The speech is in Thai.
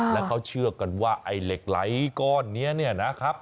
แล้วเขาเชื่อกันว่าไอ้เหล็กไหลก้อนนี้เนี่ยนะครับ